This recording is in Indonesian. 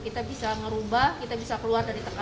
kita bisa ngerubah kita bisa keluar dari tekanan